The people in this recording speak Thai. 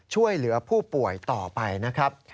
ช่วยเหลือผู้ป่วยต่อไปนะครับ